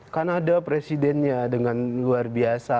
kanada presidennya dengan luar biasa